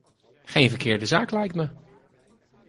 Geen verkeerde zaak, lijkt me.